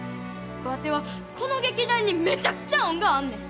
ワテはこの劇団にめちゃくちゃ恩があんねん。